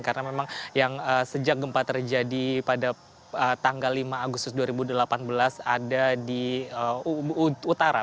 karena memang yang sejak gempa terjadi pada tanggal lima agustus dua ribu delapan belas ada di utara